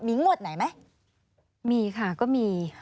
มีงวดไหนไหมมีค่ะก็มี